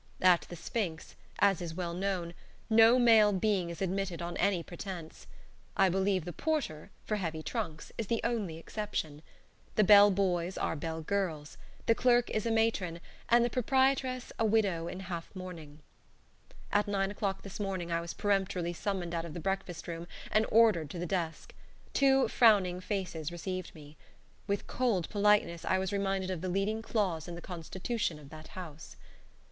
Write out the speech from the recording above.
At "The Sphinx," as is well known, no male being is admitted on any pretence. I believe the porter (for heavy trunks) is the only exception. The bell boys are bell girls. The clerk is a matron, and the proprietress a widow in half mourning. At nine o'clock this morning I was peremptorily summoned out of the breakfast room and ordered to the desk. Two frowning faces received me. With cold politeness I was reminded of the leading clause in the constitution of that house.